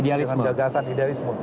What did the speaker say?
dengan gagasan idealisme